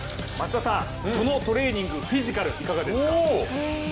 松田さん、そのトレーニング、フィジカル、いかがですか？